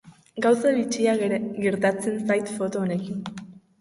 Gauza bitxia gertatzen zait foto honekin.